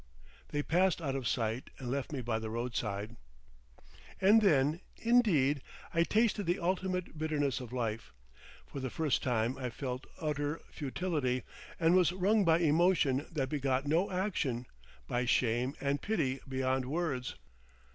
They passed out of sight and left me by the roadside.... And then, indeed, I tasted the ultimate bitterness of life. For the first time I felt utter futility, and was wrung by emotion that begot no action, by shame and pity beyond words.